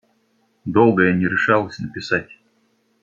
Долго я не решалась написать.